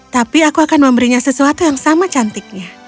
tapi aku akan memberinya sesuatu yang sama cantiknya